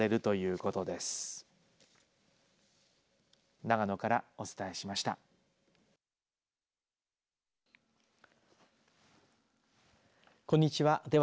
こんにちは。